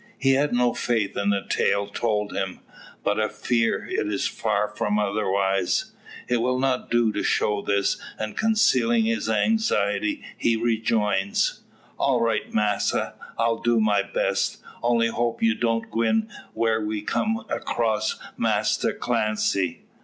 He has no faith in the tale told him, but a fear it is far otherwise. It will not do to show this, and concealing his anxiety, he rejoins: "All right, masser. I try do my best. Only hope you not a gwine where we come cross Masser Clancy.